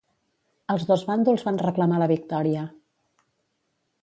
Els dos bàndols van reclamar la victòria.